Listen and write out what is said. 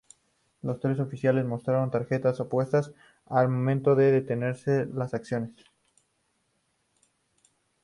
Los tres oficiales mostraron tarjetas opuestas al momento de detenerse las acciones.